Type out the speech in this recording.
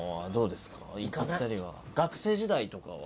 学生時代とかは？